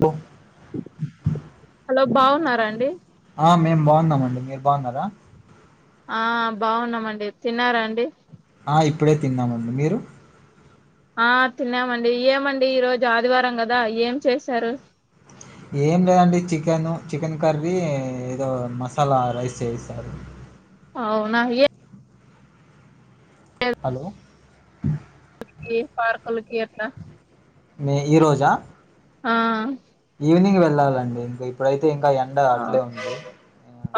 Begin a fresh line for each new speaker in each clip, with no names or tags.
పో
హలో బాగున్నారా అండి
ఆ మేము బాగున్నామండి మీరు బాగున్నారా
ఆ బాగున్నామండి తిన్నారా అండి
అఇప్పుడే తిన్నామండి మీరు
ఆ తిన్నామండి ఏమండి ఈ రోజు ఆదివారం కదా ఏం చేశారు
ఏం లేదండి చికెన్ చికెన్ కర్రీ ఏదో మసాలా రైస్ చేసారు
అవునా
హలో
ఇ పార్కులకి ఆట్లా
మే ఈరోజా
ఆ
ఈవ్నింగ్ వెళ్ళాలండి ఇంక ఇప్పుడైతే ఇంకా ఎ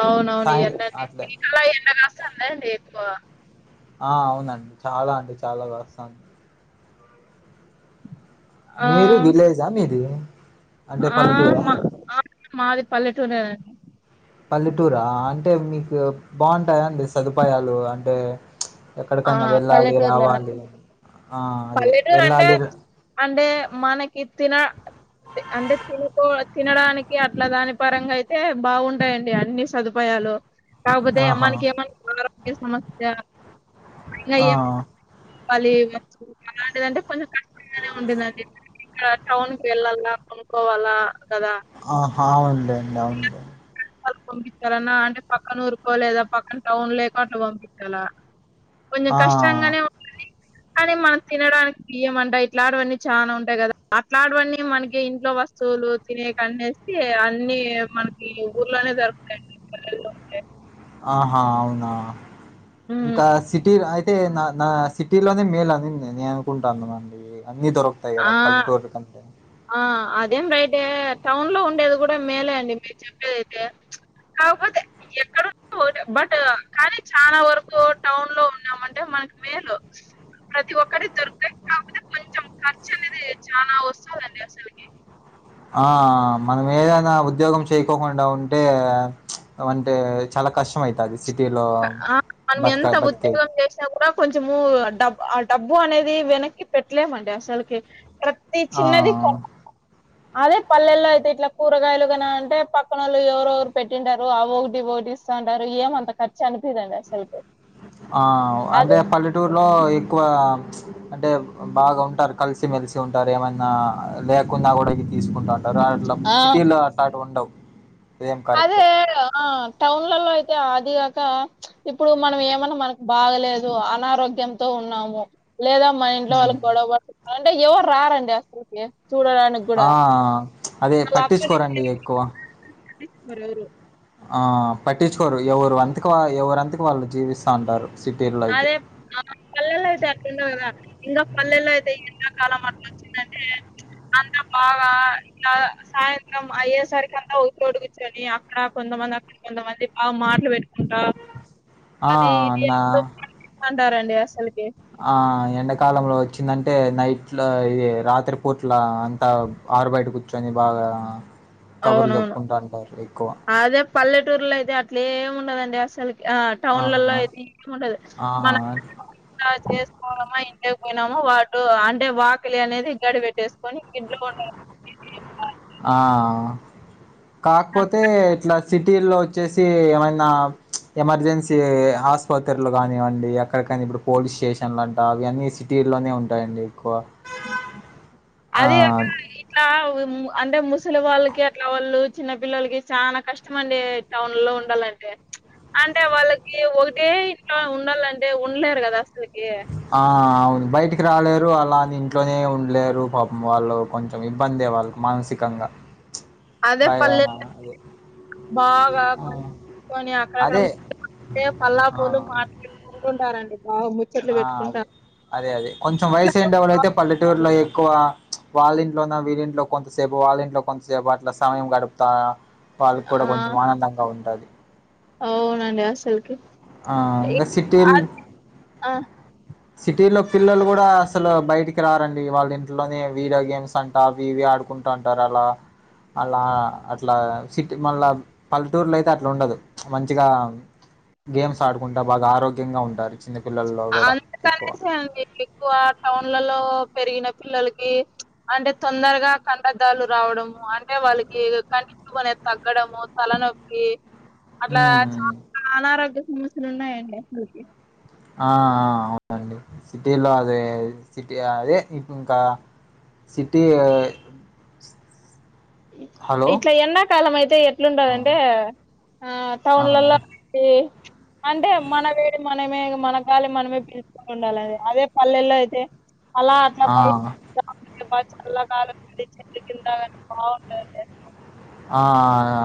అవునవును ఈ
సాయం అట్లే
కాలం ఎండా కాస్తుందా ఎండి ఎక్కువ
ఆ అవునండి చాలా అండి చాలా వస్త
ఆ
మీరు విలేజా మీది అంటే
ఆ
పల్లెటూరా
మా ఆ మాది పల్లెటూరెనండి
పల్లెటూరా అంటే మీకు బాగుంటాయా అండి సదుపాయాలు అంటే
ఆ
ఎక్కడికన్నా వెళ్ళాలి
పల్లెటూర్లోనా
రావాలి ఆ అదే
పల్లెటూరు అంటే
వెళ్ళాలి
అంటే మనకి తిన అంటే తినుకో తినడానికి అట్లా దాని పరంగా అయితే బాగుంటాయిండి అన్ని సాధుప్ పోయాలో కాకపోతే
ఆహా
అమనికి ఏమన్నా ఆరోగ్య సమస్య అయినా
ఆ
ఎమ్ మళ్ళీ అలాంటిదంటే కొంచెం కష్టంగానే ఉంటుందండి ఇంకా టౌన్కి వెళ్ళాల కొనుక్కోవాలా కదా
ఆహా అవున్లేండి అవున్లేండి
పంపించాలన్న అంటే పక్కన ఊరుకో లేదా పక్కన టౌన్ లేక అంటు పంపించాలా కొంచెం
ఆ
కష్టం గానే కానీ మనం తినడానికి బియ్యమంట ఇట్లాంటివన్నీ చాలా ఉంటాయి కదా అట్లాంటివన్నీ మనకి ఇంట్లో వస్త చోలు తినే కన్నేసి అన్నిమనకి ఊర్లోనే జరుగుతాయండి.
ఆహా అవునా
హ్మ్
ఇంకా సిటీలాయి అయితే నా నా సిటీలోనే మేలు అని నేను అనుకుంటాను అండి అన్ని దొరకు తాయి
ఆ
కదా పల్లెటూరు కంత
ఆ అదేం రైట టౌన్ లో ఉండేది కూడా మేలే అండి మీరు చెప్పేదితే అవుతే ఎక్కడ ఉన్న ఓకే బట్ కానీ చాలా వరకు టౌన్ లో ఉన్నామంటే మనకి మేలు ప్రతి ఒక్కరి దొరుకుతాయి కాకపోతే కొంచెం ఖర్చు అనేది చాలా వస్తుందండి అసలుకి
ఆ మనం ఏదైనా ఉద్యోగం చేయకోకుండా ఉంటే చ్ అంటే చాలా కష్టంమయితది. సిటీలో
ఆ మనం
బతక
ఎంత
బతికేకి
ఉద్యోగం చేసినా కూడా కొంచము డబ్ ఆ డబ్బు అనేది వెనక్కి పెట్టలేమండి అసలకి ప్రతి
ఆ!
చిన్నది కోపం అదే పల్లెల్లో అయితే ఇట్లా కూరగాయలు కనా అంటే పక్కన వాళ్ళు ఎవరవరు పెట్టింటారు ఆ ఒకటి ఇ ఒకటి చ అంటారు ఏమ అంత ఖర్చు అనిపియదండి అసలుకి
ఆ అంటే
అదే
పల్లెటూరులో ఎక్కువ అంటే బాగా ఉంటారు కలిసిమెలిసి ఉంటారు ఏమన్నా, లేకున్నా కూడా ఇది తీసుకుంటారు. ఆ రట్లామ్ సిటీలో అట్లా అటు ఉండవు
అదే ఆ టౌన్లలో అయితే అదిగాక ఇప్పుడు మనం ఏమన్నా మనకు బాగలేదు అనారోగ్యంతో ఉన్నాము. లేదా మన ఇంట్లో
హ్మ్.
వాళ్ళకి గొడవ పడు అంటే ఎవరు రారండి అసలుకి చూడడానికి కూడా
ఆ అదే పట్టించుకోరండి ఎక్కువ
అది మరారు
ఆ పట్టించుకోరు ఎవరు అంతక వారు ఎవరంతకు వాళ్ళు జీవిస్తా ఉంటారు. సిటీల్లో అయితే.
అదే ఆ పల్లెల్లో అయితే అట్టుండవు కదా ఇంకా పల్లెల్లో అయితే ఎంతకాలం అట్లా వచ్చిందంటే అంతా బాగా ఇలా సాయంత్రం అయ్యేసరికి అంతా ఒకోడు కూర్చొని అక్కడ కొంతమంది అక్క కొంతమంది బాగా మాటలు పెట్టుకుంటా
ఆ!
అది ఇది ఎ
నా
అంటారండి అసలకి
ఆ ఎండాకాలంలో వచ్చిందంటే నైట్ల ఇ రాత్రి పూట్ల అంతా ఆరు బయట కూర్చొని బాగా కబుర్లు
అవునవును
చెప్పుకుంటుంటారు ఎక్కువ
అదే పల్లెటూర్లో అయితే అట్లేమి ఉండదండి అసలుకి ఆ టౌన్లలో అయితే ఇ ఉండదు
ఆ!
మన ఇ చేసుకోవమా, ఇంట్లో పోయినామా వాటు అంటే వాకిలి అనేది గడి పెట్టేసుకొని ఇంట్లోనే
ఆ కాకపోతే ఇట్లా సిటీ లో వచ్చేసి ఏమైనా చ్ ఎమర్జెన్సీ ఆస్పత్రులు కానివ్వండి ఎక్కడి కాని ఇప్పుడు పోలీస్ స్టేషన్లు అంట అవన్నీ తీరులోనే ఉంటాయండి ఎక్కువ ఆ!
అది అ ఇట్లా అంటే ముసలి వాళ్ళకి అట్లా వాళ్ళు చిన్న పిల్లలకి చాల కష్టం అండి టౌన్ లో ఉండాలంటే అంటే వాళ్ళకి ఒకటే ఇంట్లో ఉండాలంటే ఉండలేరు కదా అసలకి
ఆ అవును బయటికి రాలేరు అలా ఇంట్లోనే ఉండలేరు పాపం వాళ్ళు. కొంచెం ఇబ్బందే వాళ్ళకు మానసికంగా
అదే
భయా
పల్లెల్లో
అదే
బాగా కొంచకని అక్కడక్కడ
అదే
ము
ఆ అదే ఆ
పల్లాకోలు మాట్ అనుకుంటారండి బాగుందీ
ఆ అదే అదే అదే కొంచెం వయసుండ వాళ్ళు అయితే పల్లెటూరులో
ఇట్లా
ఎక్కువ వాళ్ళ ఇంట్లోన వీళ్ళంట్లో కొంతసేపు వాళ్ళ ఇంట్లో కొంతసేపు అట్లా సమయం గడుపుతా వాళ్ళ కూడా
ఆ
కొంచెం ఆనందంగా ఉంటది
అవునండి అసలుకి
ఆ ఇంకా
ఇ-
సిటీల్
అది ఆ
సిటీలో పిల్లలు కూడా అసలు బయటికి రారండి వాళ్ళ ఇంట్లోనే వీడియో గేమ్స్ అంట అవి ఇవి ఆడుకు కొకుంటుంటారు అలా అలా అట్లా సిటీ మళ్ళా పల్లెటూరులో అయితే అట్లా ఉండదు మంచిగా గేమ్స్ ఆడుకుంటా బాగా ఆరోగ్యంగా ఉంటారు చిన్నపిల్లల్లో కూడా ఎక్కువ
అ ఎక్కువ టౌన్లలో పెరిగిన పిల్లలకి అంటే తొందరగా కంటదాలు రావడము అంటే వాళ్ళకి కంటి చూపు అనేది తగ్గడము తలనొప్పి అట్లా
మ్మ్.
చాలా అనారోగ్య సమస్యలు ఉన్నాయండి అసలుకి
ఆ అవునండి సిటీలో అదే సిటీ అదే ఇంకా సిటీ హలో
ఇట్లా ఎండాకాలం అయితే
ఆ,
ఎట్లుండదంటే ఆ
ఆ,
టౌన్లలో ఊ అంటే మన వేడి మనమే మన గాలి మనమే పిలుచు ఉండాలిడి అదే పల్లెల్లో అయితే అలా అట్లా బయట
ఆ.
చల్ల కాలం చెట్ల కింద బాగు
ఆ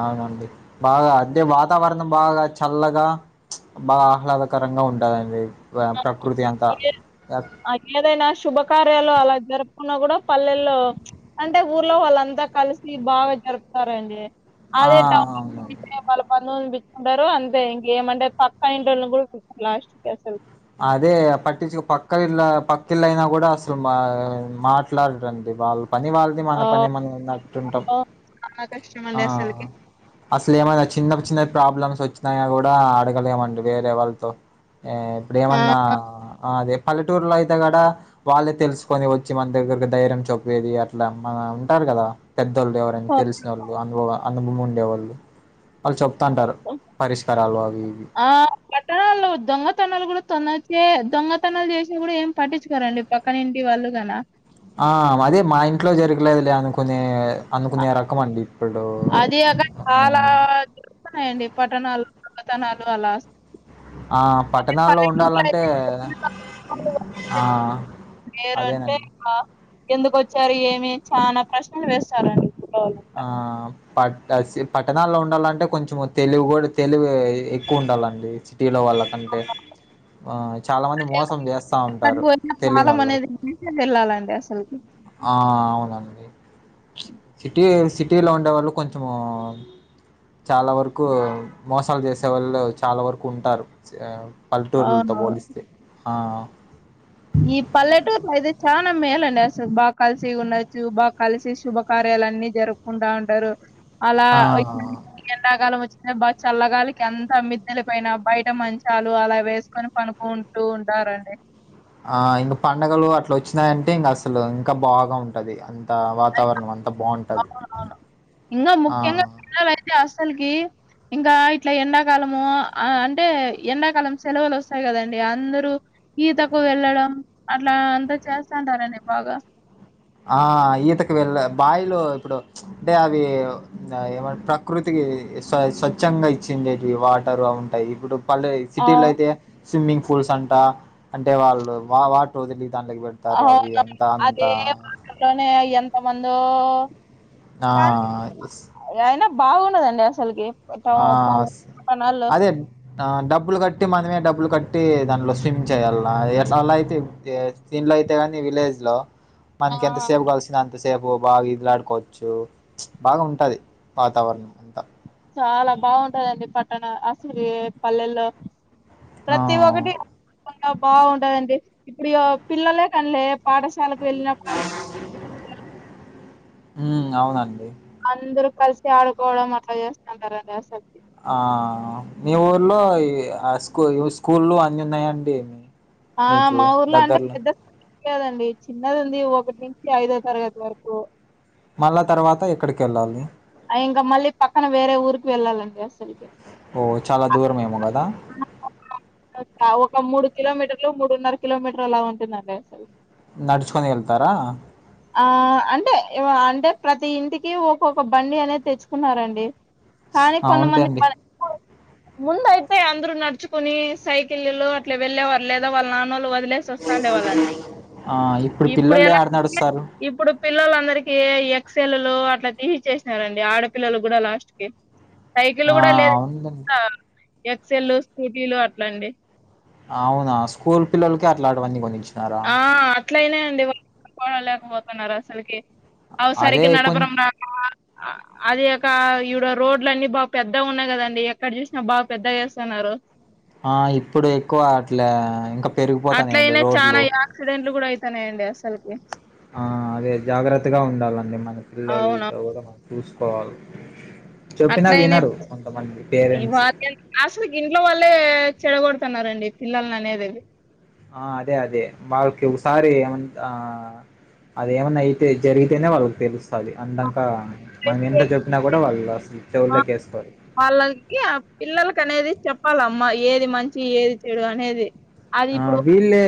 అవునండి బాగా అదే వాతావరణం బాగా చల్లగా బాగా ఆహ్లాదకరంగా ఉంటదండి ప్రకృతి అంతా
ఏ ఏదైనా శుభకార్యాలు అలా జరుపుకున్నా కూడా పల్లెల్లో అంటే ఊర్లో వాళ్ళంతా కలిసి బాగా జరుపుతారండి
ఆ
అదే టౌన్ ను
అవునండి
వాళ్ళ పనోళ్ళు పెట్టుకుంటారు అంతే ఇంకేమంటే పక్క ఇంటిని కూడారు లాస్ట్ క అసలు
అదే పట్టించు పక్క ఇళ్ళ పకి ఇళ్ళ అయినా కూడా అసలు మా మాట్ మాట్లాడ రండి వాళ్ళు పని వాళ్ళు ది మన
ఆ
పని మనదనట్టుంటాం
ఆ, చాలా కష్టం
ఆ
అండి అసలుకి
అసలు ఏమైనా చిన్న చిన్న ప్రాబ్లమ్స్ వచ్చినాయా కూడా అడగలేమండి వేరే వాళ్ళతో ఆ ఇప్పుడు
ఆ
ఏమన్నా అదే పల్లెటూరులో అయితే కద వాళ్ళే తెలుసుకొని వచ్చి మన దగ్గరకి ధైర్యం చప్పేది అట్లా మన ఉంటారు కదా పెద్దవాళ్ళు ఎవరైనా తెలిసిన వాళ్ళు అనుభవ అనుభము ఉండేవాళ్ళు వాళ్ళు చెప్తుంటారు పరిష్కారాలు అవి ఇవి
ఆ పత [unintelligible] దొంగతనాలు కూడా తొందొచ్చే దొంగతనాలు చేసిన కూడా ఏం పట్టించుకోరండి పక్కన ఇంటి వాళ్ళు కన
ఆ అదే మా ఇంట్లో జరగలేదు లే అను కొని
ఆ,
అనుకునే రకం అండి ఇప్పుడు
జరుగుతూన్నాయండి పట్టణాలో దొంగతనాలు అలా
ఆ
అదే
పట్టణాల్లో
పల్లెటూరులో
ఉండాలంటే
అయితే
ఆ
లేేరు అంటే
అదేనండి
ఎందుకు వచ్చారు ఏమి చాలా ప్రశ్నలు వేస్తారండి
ఆ ప పట్టణాల్లో ఉండాలంటే కొంచెం తెలివి కూడా తెలివి ఎక్కువ ఉండాలండి సిటీలో వాళ్ల అంటే ఆ చాలా మంది
అంటే
మోసం చేస్తా ఉంటారు తెలియనొలని
మ [inaudible] వెళ్లాలండి అసలుకి
ఆ అవునండి సిటీ సిటీ లో ఉండే వాళ్ళు కొంచము చాలా వరకు మోసాలు చేసే వాళ్ళు చాలా వరకు ఉంటారు పల్లెటూరులతో
అవునవును
పోలిస్తే ఆ
ఈ పల్లెటూరులో అయితే చాలా మేలండి అసలు బాగా కలిసి ఉండొచ్చు బాగా కలిసి శుభకార్యాలన్ని జరుపు ఉంటా ఉంటారు అలా
ఆ
ఎండాకాలం వచ్చినా బా చల్లగాలికి అంతా మిద్దలపైన బయట మంచాలు అలా వేసుకొని పను ఉంటూ ఉంటారండి
ఆ ఇంకా పండగలు అట్లా వచ్చినాయంటే ఇంకా అసలు ఇంకా బాగా ఉంటది అంత వాతావరణం అంతా బాగుంటది ఆ
[inaudible] హాస్టల్కి ఇంకా ఇట్లా ఎండాకాలము అంటే ఎండాకాలం సెలవులు వస్తాయి కదండి అందరు ఈతకు వెళ్ళడం అట్లా అంతా చేస్తాంటారండి బాగా
ఆ ఈతకి వెళ్ళ బావిలో ఇప్పుడు అంటే అవి ఏమ ప్రకృతికి స్వచ్ఛంగా ఇచ్చిండేటివి వాటరు అవి ఉంటాయి ఇప్పుడు పళ్ సిటీలో
అవు
అయితే స్విమ్మింగ్ పూల్స్ అంట అంటే వాళ్ళు వాటర్ వదిలి దాంట్లోకి తారు అవి ఎంత అంత
అలానే ఎంత మందో
ఆ
అయినా బాగుండవండి అసలకి టౌ
ఆ
పల పట్టణాల్లో
అదే ఆ డబ్బులు కట్టి మనమే డబ్బులు కట్టి దానిట్లో స్విమ్ చేయాల అలా అయితే దీంట్లో అయితే గాని విలేజ్ లో
ఆ
మనకి ఎంత సేపు కసింది అంతసేపు బాగా ఈతలాడుకోవచ్చు బాగా ఉంటది వాతావరణం అంతా
చాలా బాగుంటాదండి పట్టణ అసలు పల్లెల్లో
ఆ
ప్రతి ఒక్కటి బాగుంటయండి ఇప్పుడు పిల్లలే కనీలే పాఠశాలకు వెళ్ళినప్పుడు అందరు
ఉమ్మ్ అవునండి
అందరు కలిసి ఆడుకోవడం అట్లా చేస్తాంటరండి అసలకి
ఆ మీ ఊర్లో ఆ స్కూ స్కూలు అన్ని ఉన్నాయండి
ఆ
మీకు
మా ఊర్లో అంటే
దగ్గరలో
పెద్ద లేదండి చిన్నది ఉంది ఒకటి నుంచి ఐదో తరగతి వరకు
మళ్ళా తర్వాత ఎక్కడికి వెళ్ళాలి
ఇంకా మళ్ళీ పక్కన వేరే ఊరికి వెళ్ళాలండి అసలుకి
ఓ చాలా దూరమేమో కదా
ఒక మూడు కిలోమీటర్లు మూడున్నర కిలోమీటర్ అలా ఉంటుందండి అసలు
నడుచుకొని వెళ్తారా
ఆ అంటే అంటే ప్రతి ఇంటికి ఒక్కొక్క బండి అనేది తెచ్చుకున్నారండి కానీ కొంతమంది
అవునులేండి
ప ముందు అయితే అందరు నడుచుకుని సైకిల్లో అట్లా వెళ్ళేవాళ్ళు లేదా వాళ్ళ నాన్నోలు వదిలేసి వస్తాండే వాళ్ళండి
ఆ
ఇప్పుడు
పిల్లలు
ఎలా
యాడ
అంటే
నడుస్తారు
ఇప్పుడు పిల్లలందరికి ఎక్సెల్లులు అట్లా తీసిచ్చేసినారండి ఆడపిల్లలు కూడా లాస్ట్‌కి సైకిల్
ఆ
కూడా లే [inaudible]
అవునులేండి
ద ఎక్సెల్లు స్కూటీలు అట్లా అండి
అవునా స్కూల్ పిల్లలకి అట్లాటివన్నీ కొ
ఆ అట్లయినాయండి వాళ్లు కొలలేకపోతున్నారు అసలుకి అవి
అదే
సరిగా
కొం
నడపడం రా అదిగాక ఈడ రోడ్లు అన్ని బాగా పెద్ద ఉన్నాయి కదండి ఎక్కడ చూసినా బాగా పెద్దగా ఎస్తున్నారు
ఆ ఇప్పుడు ఎక్కువ అట్లా ఇంకా పెరిగిపోతాన్నయండి రోడ్లు
ఎక్సిడెంట్లు కూడా అయితున్నాయండి అసలుకి
ఆ అదే జాగ్రత్తగా ఉండాలండి మన
అవును
పిల్లలతో కూడా చూసుకోవాలి చెప్పినా
అట్లయినే
వినరు కొంతమంది పేరెంట్స్
ఇవాళ అసలుకి ఇంట్లో వాళ్ళలే చెడగొడుతున్నారండి పిల్లని అనేది అది
ఆ అదే అదే వాళ్ళకి ఒకసారి ఏమంత ఆ అదేమన్నా అయితే జరిగితేనే వాళ్ళకి తెలు స్తాది అందాంక మనం ఎంత
అప్పుడైతే
చెప్పినా కూడా వాళ్ళు అసలు
ఆ!
చెవులేకి ఎసుకోరు
వాళ్ళకి ఆ పిల్లలకి అనేది చెప్పాలమ్మా ఏది మంచి ఏది చెడు అనేది అది
ఆ
ఇప్పుడు
వీళ్ళే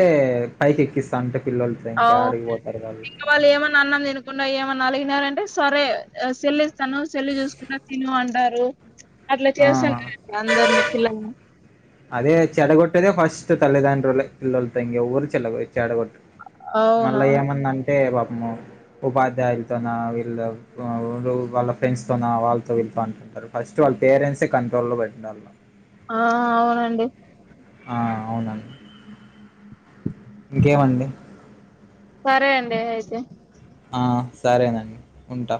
పైకి ఎక్కిస్తాంటే పిల్లలతో ఇంకా యడికిపోతారు వాళ్లు
ఇంకా వాళ్ళు ఏమన్నా అన్నం తినకుండా ఏమన్నా అలిగినారు అంటే సరే సెల్ల్ ఇస్తాను సెల్లు చూసుకుంటా తిను అంటారు
అ
అట్లా చేస్తున్నారండి అందరిని పిల్లల్ని
అదే చెడ కొట్టేదే ఫస్టు తల్లిదండ్రులే పిల్లలతో ఇంకెవరు చెల చెడగొట్ట మళ్ళా
అవునవును
ఏమన్నా అంటే పాపము ఉపాధ్యాయులతోన వీళ్ళ ఎవరు వాళ్ళ ఫ్రెండ్స్తోనా వాళ్ళతో వీళ్ళతో అంటుంటారు ఫస్ట్ వాళ్ళ పేరెంట్సే కంట్రోల్లో పెట్టిండాలా
ఆ అవునండి
ఆ అవునం ఇంకేమండి
సరే అండి అయితే
ఆ సరేనండి ఉంటా